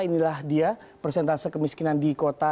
inilah dia persentase kemiskinan di kota